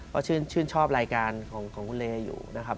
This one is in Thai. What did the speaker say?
ก็ชื่นชอบรายการของคุณเลอยู่นะครับ